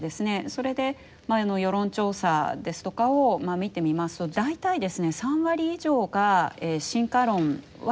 それで世論調査ですとかを見てみますと大体ですね３割以上が進化論は信じないというですね